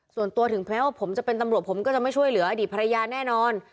ถึงแม้ว่าผมจะเป็นตำรวจผมก็จะไม่ช่วยเหลืออดีตภรรยาแน่นอน